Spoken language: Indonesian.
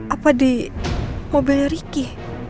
apa di mobilnya riki